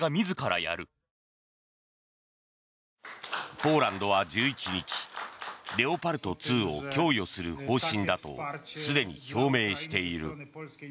ポーランドは１１日レオパルト２を供与する方針だとすでに表明している。